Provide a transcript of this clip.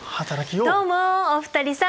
どうもお二人さん！